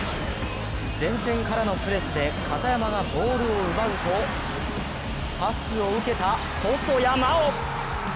前線からのプレスで片山がボールを奪うとパスを受けた細谷真大！